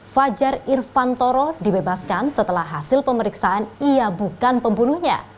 fajar irfantoro dibebaskan setelah hasil pemeriksaan ia bukan pembunuhnya